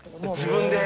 自分で？